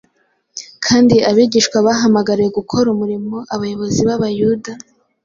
kandi abigishwa bahamagariwe gukora umurimo abayobozi b’Abayuda